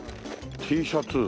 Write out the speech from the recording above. Ｔシャツ。